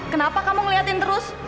kenapa kamu ngeliatin terus